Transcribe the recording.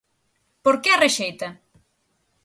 Por que a rexeita?